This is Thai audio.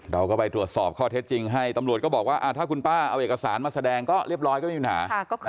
เราก็ไปตรวจสอบข้อเท็จจริงให้ตำรวจก็บอกว่าถ้าคุณป้าเอาเอกสารมาแสดงก็เรียบร้อยก็ไม่มีปัญหา